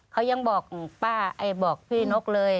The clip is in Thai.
เขายังบอกป้าบอกพี่นกเลย